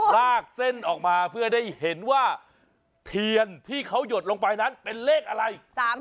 ลากเส้นออกมาเพื่อได้เห็นว่าเทียนที่เขาหยดลงไปนั้นเป็นเลขอะไร